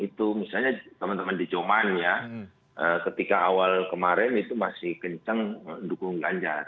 itu misalnya teman teman di joman ya ketika awal kemarin itu masih kencang mendukung ganjar